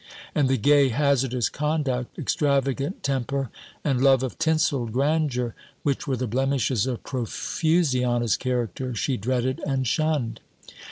And the gay, hazardous conduct, extravagant temper, and love of tinselled grandeur, which were the blemishes of Profusiana's character, she dreaded and shunned.